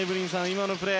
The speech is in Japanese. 今のプレー。